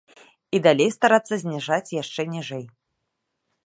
І далей старацца зніжаць яшчэ ніжэй.